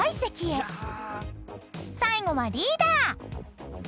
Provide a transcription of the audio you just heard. ［最後はリーダー］